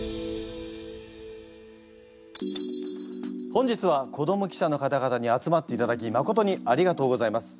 本日は子ども記者の方々に集まっていただきまことにありがとうございます。